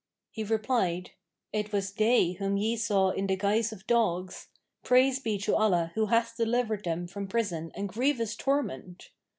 He replied, "It was they whom ye saw in the guise of dogs; praise be to Allah who hath delivered them from prison and grievous torment!"